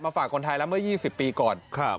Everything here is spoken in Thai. มาฝากคนไทยเมื่อ๒๐ปีก่อน